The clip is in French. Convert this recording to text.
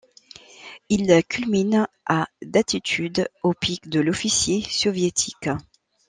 Il culmine à d'altitude au pic de l'Officier Soviétique.